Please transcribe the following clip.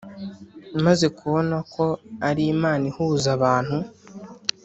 maze kubona ko ari imana ihuza abantu